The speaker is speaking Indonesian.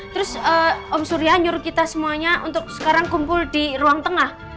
terus om surya nyuruh kita semuanya untuk sekarang kumpul di ruang tengah